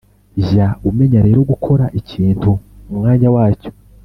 jya umenya rero gukora ikintu mu mwanya wacyo,